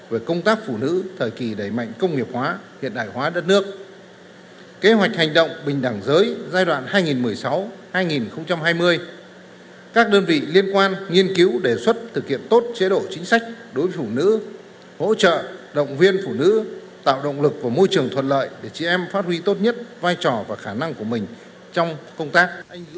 với công tác phụ nữ thời kỳ đầy mạnh công nghiệp hóa hiện đại hóa đất nước kế hoạch hành động bình đẳng giới giai đoạn hai nghìn một mươi sáu hai nghìn hai mươi các đơn vị liên quan nghiên cứu đề xuất thực hiện tốt chế độ chính sách đối với phụ nữ hỗ trợ động viên phụ nữ tạo động lực và môi trường thuận lợi để chị em phát huy tốt nhất vai trò và khả năng của mình trong công tác